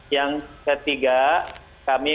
yang ketiga kami